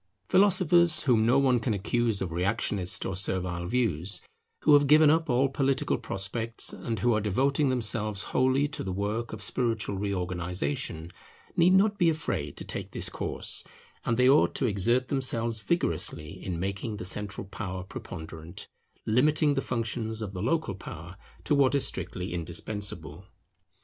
Philosophers, whom no one can accuse of reactionist or servile views, who have given up all political prospects, and who are devoting themselves wholly to the work of spiritual reorganization, need not be afraid to take this course; and they ought to exert themselves vigorously in making the central power preponderant, limiting the functions of the local power to what is strictly indispensable.